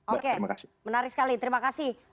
oke menarik sekali terima kasih